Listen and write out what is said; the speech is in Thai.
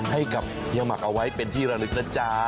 ให้กับเฮียหมักเอาไว้เป็นที่ระลึกนะจ๊ะ